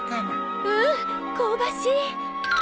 うん香ばしい。